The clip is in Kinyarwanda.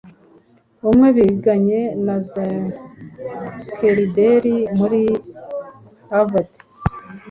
umwe biganye na Zuckerberg muri Harvard,